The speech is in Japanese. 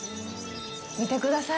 見てください。